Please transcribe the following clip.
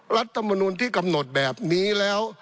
รัฐมนุนที่กำหนดแบบนี้แล้ว